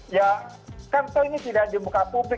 ya kan ini tidak dibuka publik